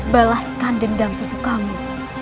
balaskan dendam susu kamu